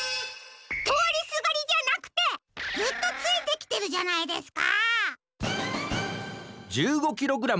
とおりすがりじゃなくてずっとついてきてるじゃないですか。